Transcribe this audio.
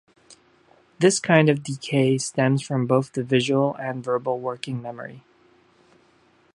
This kind of decay stems from both the visual and verbal working memory.